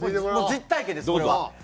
実体験ですこれは。